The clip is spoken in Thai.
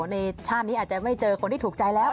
ในชาตินี้อาจจะไม่เจอคนที่ถูกใจแล้ว